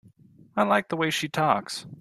I like the way she talks.